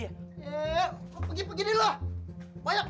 ya ya lo pergi pergi dulu ah